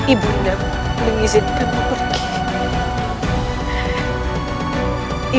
ibunda mengizinkanku pergi